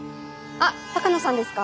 あっ鷹野さんですか？